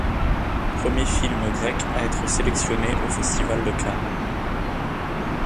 Premier film grec à être sélectionné au festival de Cannes.